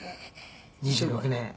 ２６年。